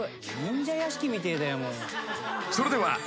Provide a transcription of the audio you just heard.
［それでは］